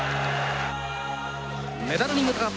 メダルに向かって。